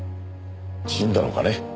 死んだのかね？